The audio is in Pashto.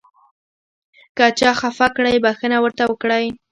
که چا خفه کړئ بښنه ورته وکړئ .